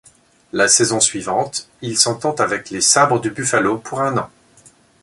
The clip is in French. La saison suivante, il s'entend avec les Sabres de Buffalo pour un an.